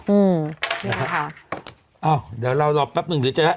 อืมนะครับค่ะอ้าวเดี๋ยวเรารอแป๊บหนึ่งหรือจะได้